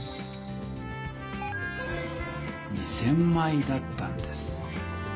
２０００枚だったんです。